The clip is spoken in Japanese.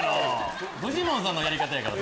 フジモンさんのやり方やから。